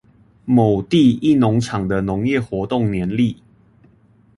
某地一農場的農業活動年曆